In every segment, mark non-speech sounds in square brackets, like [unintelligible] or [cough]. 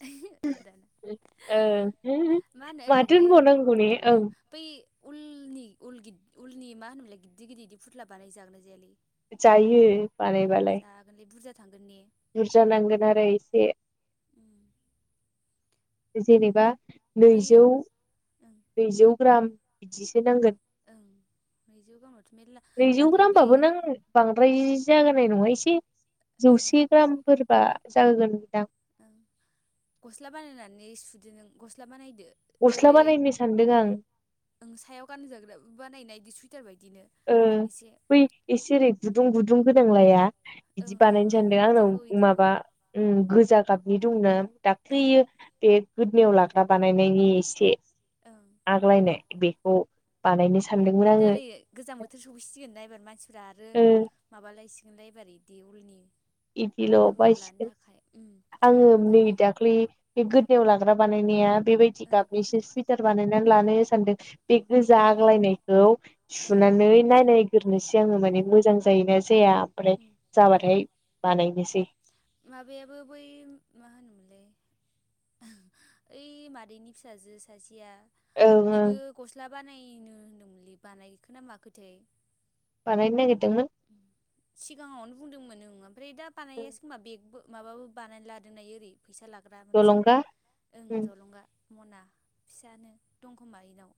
[unintelligible] ओं मा होनो माथो आगैब होनबावनांगौ ने ओं बै उलनि उलनि मा होनोमोनलाय गिदिर गिदिर फुथुला बानाय जागोन ना जायालै। जायो बानायबालाय। जागोनलै बुरजा थांगोन ने। बुरजा नांगोन आरो एसे। [inaudible] जेनेबा बै नैजौ ओं नैजौ ग्राम बिदिसो। नेनांगोन ओं नैजौ गाहामावथ' मेरला नैजौ दाख्लै बै ग्रामबाबो बांद्राय जागोन। जानाय नङा एसे ओं जौसे ग्रामफोरबा जागोनदां। ओं गस्ला बानायनानै सुदो नों गस्ला बानायदो। गस्ला दालाय बानायनो सानदों आं। बानायो बिदि सुइटार बायदि। बै एसे ओरै गुदुं गुदुं गोनांलाया। बिदि ओं ओं बानायनो ओं सानदों आंनाव इदिखौ इदिखौ माबा गोजा गाबनि दंना। ओं दाख्लैयो बे गोदोनियाव लाग्रा बानायनायनि एसे ओं आग्लायनाय। बेखौ बानायनो। सानदोंमोन दा आङो नै गोजां बोथोर सफैसिगोन ना एबार मानसिफ्रा आरो ओ मा बायसिगोनलाय एबार इदि उलनि। बिदिल' गोदोनायाव लानो बायसिगोन थाखाय उम आङो नै ओमफाय दाख्लै बे गोद गोदोयाव लाग्रा बानायनाया बेबायदि ओं गाबनिसो सुइटार बानायनानै लानो सानदों। बे गोजा ओं आग्लायनायखौ ओं सुनानै नायनायग्रोनोसै आङो माने। मोजां जायोना जाया ओमफ्राय उम जाबाथाय बानायनोसै। माबायाबो बै मा होनोमोनलाय। ओइ मादैनि फिसाजो सासेया ओं ओं बेबो गस्ला बानायनो होनदोंमोनलै बानायखोना माखोथाय। बानायनो नागिरदों सिगाङावनो बुंदोंमोन ओमफ्राय दा बानायैसै खोमा बेगबो माबाबो बानाय लादों बियो ओरैनो फैसा लाग्रा मोनसे जलंगा ओं उम जलंगा। मना फिसानो दं खोमा इनाव।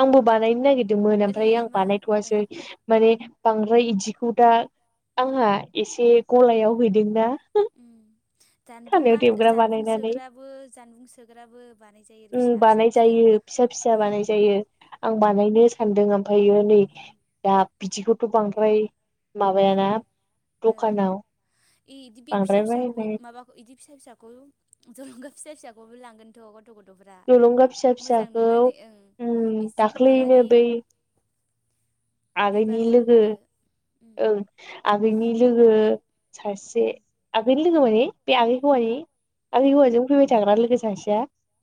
आंबो बानायनो नागिरदोंमोन ओरै ओमफ्राय आं मा होन ओं बानायथ'वासै माने बां ओमफ्राय इदिखौ दा आंहा एसे गलायाव हैदोंना? उम जानबुं खानायाव बान देबग्रा जानबुं बानायनानै सोग्राबो जानबुं सोग्राबो बानाय जायो फिसा फिसा फिथा ओ फिसा फिसा ओं बानाय जायो आं बानायनो। सानदों ओमफायो नै ओं दा बिदिखौथ बांद्राय। ओं माबायाना ओ दखानाव इदि बेग फिसा बांद्राय फिसाखौबो बायनाय। माबाखौ इदि फिसा फिसाखौ जलंगा फिसा फिसाखौबो लांगोनथ। गथ'फ्रा जलंगा फिसा मोजां फिसाखौ नुनानै ओं उम एसे दाख्लैैनो माबानि बै आगैनि बिबारफोर लोगो होदो उम ओं आगैनि लोगो सासे उम आगैनि लोगो माने बे आगै हौवानि आगै उम हौवाजों फैबाय थाग्रा लोगोसे। सासेया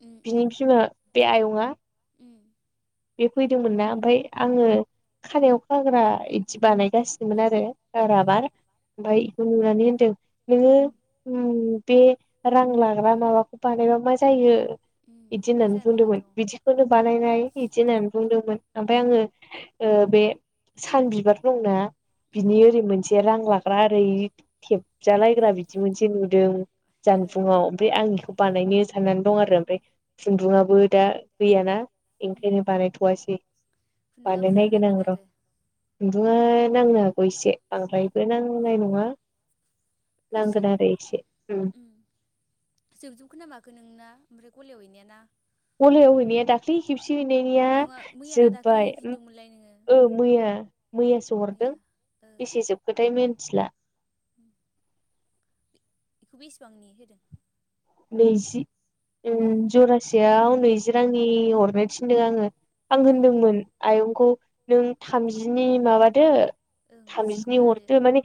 उम उम बिनि बिमा बे आयंआ उम बे फैदोंमोन ना ओमफाय आङो उम खानायाव खाग्रा इदि बानायगासिनोमोन आरो उम बाराबार ओमफ्राय बेखौ नुनानै होनदों नोङो उम उम बे रां लाग्रा माबाखौ बानायबा मा जायो उम इदि होननानै मोजां नुयोथ' बुंदोंमोन बिदिखौनो बानायनाय इदि होननानै बुंदोंमोन ओमफाय उम आङो ओ बे सान बिबार दंना उम बिनि ओरै मोनसे रां लाग्रा ओरै थेबजालायग्रा बिदि मोनसे नुदों ओ जानबुंआव ओमफाय आंनिखौ बानायनो साननानै दं आरो ओमफ्राय खुन्दुङाबो दा गैयाना उम ओंखायनो बानायथवासै। खुन्दुङा बुरजा नांगोन आरो खुन्दुं आ नांनो हागौ एसे बांद्रायबो नांनाय नङा। एसे नांगोन आरो एसे उम जोबजोबखोना माखो नोंना। ओमफ्राय गलियाव हैनायाना गलियाव हैनाया दाखलि खेबसे थिनैनिया नङा मैयाना दाख्लै जोब्बाय हैफिनदोंमोनलाय नोङो औ मैया। मैयासो हरदों मैया ओ बेसे जोबखोथाय मिन्थिला [inaudible] बेखौ बेसेबांनि होदों नैजि ए उम जरासेयाव नैजि रांनि हरनो थिनदों आङो। आं ओ ओ होनदोंमोन आयंखौ नों थामजिनि माबादो। ओं जिखौ थामजिनि लादो हरदो माने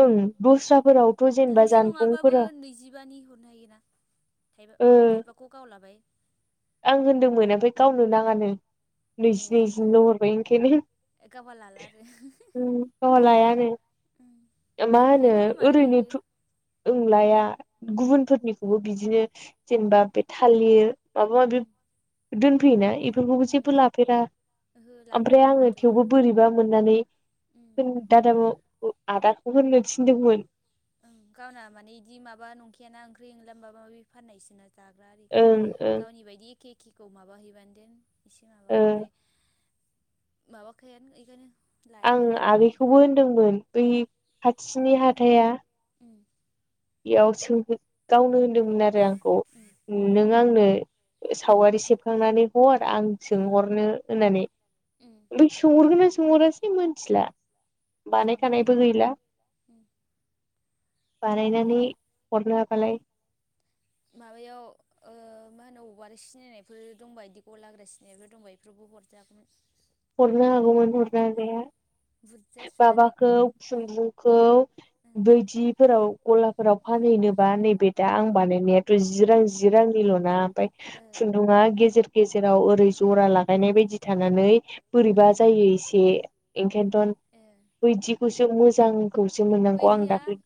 ओं दस्राफोराव। थामजि नङाबाबो नैजिबानि हरनो हायोना। थाइबा ओ थाइबाखौ गावलाबाय। आं होन्दोंमोन ओमफाय गावनो नाङानो नैजि नैजिल हरबाय ओंखायनो। गावबा लाला आरो। गावहा लायानो मा होनो लाखायानो खोमालै इयो ओरैनोथ ओं लाया उम गुबुनफोरनिखौबो बिदि बिदिनो उम जेनेबा बे थालिर माबा माबि उम दोनफैयोनाय इफोरखौबो उम जेबो लाफेरा। ओहो लाखाया ओमफ्राय आङो खोमाथ' इयो थेवबो बोरैबा मोननानै उम [unintelligible] आदाखौ होननो थिनदोंमोन। गावना माने इदि माबा नंखायाना ओंख्रि ओंला माबा माबि फाननायसोन ना जाग्रा आरिखा ओं ओं गावनि बायदि एखे एखेखौ माबाहैबानो देन इसे माबागोन ओमफ्राय माबाखायानो ओंखायनो आं आगैखौबो होनदोंमोन बै खाथिनि हाथाया सावगारि बेयाव सों गावनो होनदोंमोन आरो आंखौ नों आंनो सावगारि सेबखांनानै हर आं सोंहरनो होननानै होननानै ओमफ्राय सोंहरगोन ना सोंहरासै मानथिला बानायखानायबो सोंहराखैदां गैला बानायनानै हरनो हाबालाय माबायाव ओ मा होनो बबावव आरो सिनायनायफोर दंबा बिदि गलाग्रा सिनायफोर दंबा बेफोरावबो हरजागौमोन हरनो हागौमोन हरनो ओं हानाया। बुरजा सुनानै माबाखौ ओं खुनदुंखौ बैदिफोराव। गलाफोराव फानहैनोबा नैबे दा आं बानायनायाथ' जि रां जि रांनिल'ना ओमफाय ओ खुनदुङा गेजेर गेजेराव ओरै जरा लागायनाय बायदि थानानै। बोरैबा ओं जायो एसे ओंखायनोथ' ए बैदिखौसो मोजां खौसो मोननांगौ आं बैदिया दाख्लै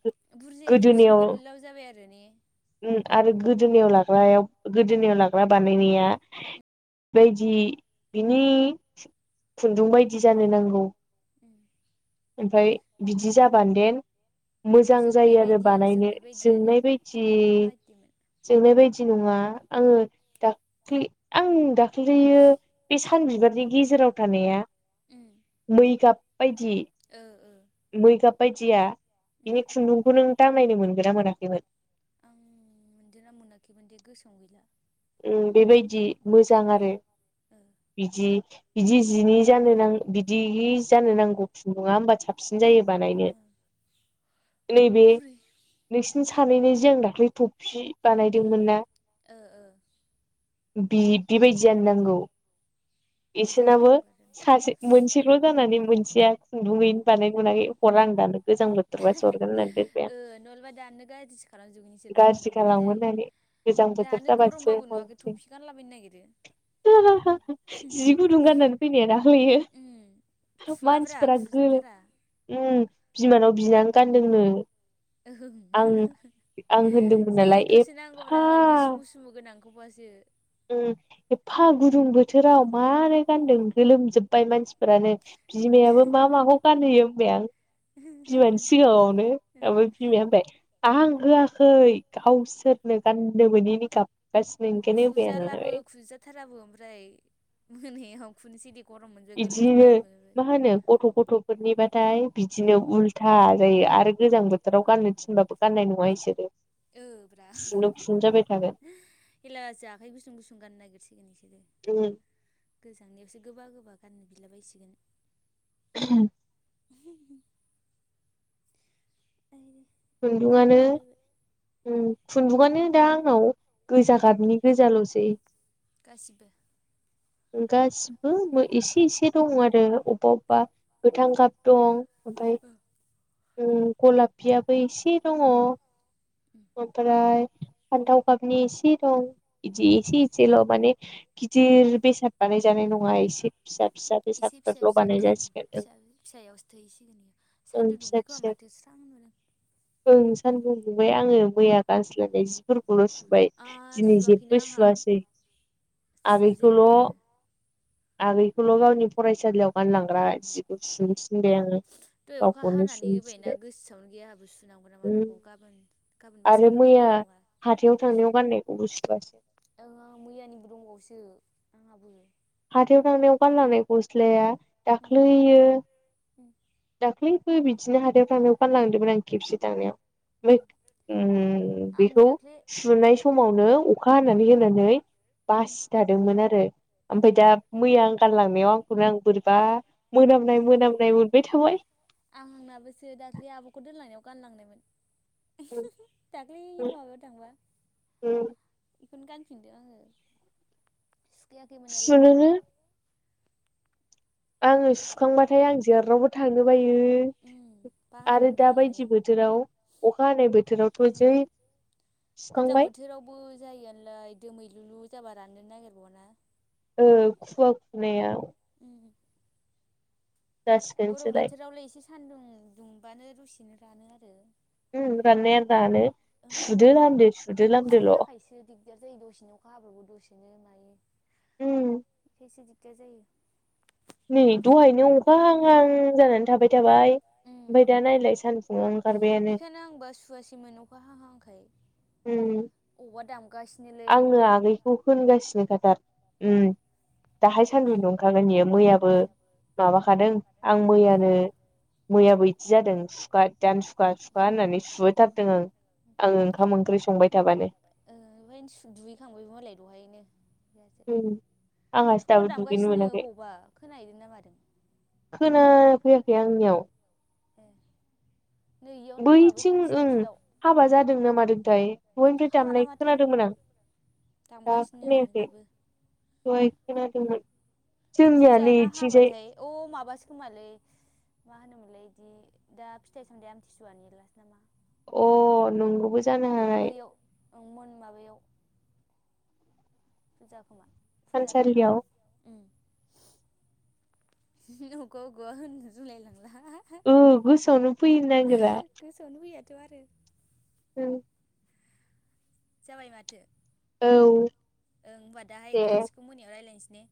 बुरजाया खेबसेनो गो-गोदोनायाव गोलाव जाबाय आरो ने ओम आरो गो दोनायाव लाग्रायाव गोदोनायाव लाग्रा बानायनाया। बायदि बिनि खुन्दुं बायदि जानो नांगौ। उम ओमफाय बिदि जाबानदेन मोजां जोंनाय जायो आरो बायदिया बानायनो जोंनाय बायदिया ने जोंनाय बायदि ना मादिमोन जोंनाय बायदि नङा आङो दाख्लै आं दाख्लैयो बे उम सान बिबारनि गेजेराव थानाया उम मै गाब बायदि ओ ओ। मै गाब बायदिया उम इनि खुन्दुंखौ नों दांनायनो मोनदोंना मोनाखैमोन? आं मोनदों ना मोनाखैमोन दे गोसोआवनो गैला। ओ बेबायदि मोजां आरो ओ बिदि बिदि जिनि जानो बिदि जानो नांगौ खुन्दुङा होमबा साबसिन जायो। बानायनो ओ नै बे गुरै नोंसिनिस सानैनो जों दाख्लै थफि बानायदोंमोन ना। ओ ओ। बे बेबायदि जानो नांगौ। मोजां इसोनाबो जानांगौ आरो सासे मोनसेल' जानानै मोनसेया उम खुन्दुङैनो बानाय मोनाखै हरा आं दानो गोजां बोथोरबासो हरगोन [unintelligible] होननानै दोनबाय ओ नलबा दानो गाज्रिसो खालामजोबगोन इसोर दा मोननांगौबाथाय। नानै गोजां बोथोर दानो जाबासो गरमबाबो नुवाखै हरसै थफि गानलाबायनो नागिरो [unintelligible] जि गुदुं गाननानै फैनाया दाख्लै उम यो खुवाब्रा मानसिफोरा गो खुजाथारा ओम बिमानाव बिनानै गानदोंनो। आं [unintelligible] आं होनदोंमोन जि नालाय इखौसो एफा नांगौब्रा इदि सुमु सु उम एफा गुदुं बोथोराव उम मारै गानदों। गोलोमजोबबाय मानसिफोरानो बिमायाबो मा माखौ गानहोयो होनबाय आं। बिमानि सिगाङावनो उम ओमफ्राय बिमाया होनबाय आं होआखै गावसोरनो गाननो मोननिनि गाब खुजालाबो खुजाथाराबो ओमफ्राय मोनायाव खुनोसेै दे। गरम मोनबाय इदिनो गोलोमजोब्बाय मोनबाय मा होनो गथ' गथ'फोरनिबाथाय बिदिनो उम उल्था जायो। आरो गोजां बोथोराव गाननो थिनबाबो गाननाय नङा इसोरो ओ ब्रा खुनो खुुनो जाबाय था हेलासो आखाइ गुसुं गुसुं गाननो नागिरसिगोन इसोरो उम गोजांनियावसो। गोबा गोबा गाननो बिलाबायसिगोन। [unintelligible] [inaudible] दाउ खुन्दुंयानो गावलाबायबाय ओ खुन्दुंयानो दा आंनाव गोजा गाबनि गोजाल'सै गासैबो गासिबो एसे एसे दं आरो अबेबा अबेबा गोथां ओं गाब दं ओमफ्राय ओ ओम गलाफियाबो एसे दङ। उम ओमफ्राय फान्थाव गाबनि इसे दं इदि उम एसे इसेल' माने गिदिर बेसाद बानायजानाय नङा एसे फिसा फिसा इसे फिसा बेसादफोरल' फिसा बानाय ओं जासिगोन फिसा फिसायावसो थोहैसिगोन इयो ओं सान्दुं फिसा दुंबाय खोमा फिसा माथो। स्रां नुदों ओं सानदुं दुंबाय आङो मैया गानस्लायनाय जिफोर बेखौल' सुबाय आ दिनै सुवाखैनो जेबो आंहा सुवसै आगैखौल' सुजायाखैनो आगैखौल' गावनि फरायसालियाव गानलांग्रा जिखौ सुंफनबाय आङो। दहाय अखा गावखौनो हानानै सुनो होबायना थिनबाय गोसोआवनो गैयहाबो सुनांगौ ना उम मानांगौ गाबोन गाबोनबा आरो सान्दुं मैया दुंगोना नङा हाथायाव थांनायाव गाननायखौ बुङासै। ओं ओं मैयानिबो दंबावोसो आंहा हाथायाव थांनायाव गानलांनाय गस्लाया उम दाख्लैयो उम दाख्लै बिदिनो हाथायाव थांनायाव गानलांदोंमोन आं खेबसे थांनायाव। उम ओमफ्राय उम आंबो बेखौ दाख्लै सुनाय समावनो अखा उम हानानै होनानै उम बासिथादोंमोन आरो ओ ओमफ्राय दा मैया गारलांनायाव आंखौनो आं बोरैबा मोनामनाय मोनामनाय मोनबाय थाबाय। आंनाबोसो दाख्लै आब'खौ दोनलांनायाव गानलांनायमोन दाख्लै माबायाव थांबा। बेखौनो गानफिनदों आङो सुखायाखैमोन नालाय। सुनोनो आङो सुखांबाथाय आं जेरावबो थांनो बायो। उम बाहायनो आरो बायो ने दााबायदि बोथोराव अखा हानाय बोथोरावथ' उम जै। गोजां सुखांबाय बोथोरावबो जायो नालाय दोमै लुलु जाबा राननो नागिरबाव ना? ओ खुवा खुनाया। उम। जासिगोन गरम सोलाय। बोथोरावलाय एसे सान्दुं दुंबानो दसेनो रानो आरो उम रानाया रानो। ओं सुदो ओमफ्राय लामदो सुदो अखानि लामदोल' थाखायसो दिगदार जायो दसेनो अखा हाबाब दसेनो मायो। उम जि दिगदार जायो। नै दहायनो अखा हांहां जानानै थाबाय। थाबाय उम ओमफ्राय दा नायलाय सानफुङाव ओंखारबायानो। मोन अखा हा हांखाय। उम आङो आगैखौ फोरोंगासिनो खा उम दाहाय सान्दुं दुंखागोन बियो मैयाबो ओ माबाखादों आं ओ मैयानो मैयाबो बिदि जादों सुखा दान सुखा सुखा होननानै सुबोथारदों आं आं ओंखाम ओंख्रि संबाय थाबानो। बेओमहायनो दुहैखांबाय बे मालाय दहायनो। आंहासो सल' दाबो दुगैनो दामगासिनो मोनाखै अबावबा खोनाहैदों ना मादो? खोना फैयाखै आंनियाव। ए। नै इयावनो खोमा बै बैथिं खाथिनि ओं फिल्डआव हाबा जादों मादोंथाय दहायनिफ्राय हाबा दामनाय नामाथाय खोनादोंमोन आं। [inaudible] दा दामगासिनो खोनायाखै दाबो। दहाय खोनादों आं। फुजा ना हाबाथाय अ माबासो खोमालै मा होनोमोनलाय इदि दा फिथाइ सामथायाइ आमथिसुवनि लास नामा। अ नंगौबो जानो हानाय बैयाव औ मोन माबायाव। फुजा खोमा फुजा दं दां थानसालियाव उम। [unintelligible] औ गोसावनो फैयनो नागिरा। गोसोआवनो फैयाथ' आरो ओं। जाबाय माथो औ ओं होमबा दाहाय दे खावसेखौ मोनायाव रायलायनोसै। ने?